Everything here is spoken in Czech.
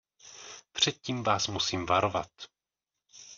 Před tím vás musím varovat.